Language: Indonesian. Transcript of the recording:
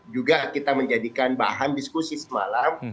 juga kita menjadikan bahan diskusi semalam